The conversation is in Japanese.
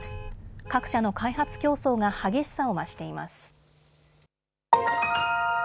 各社の開発競争が激しさを増しています。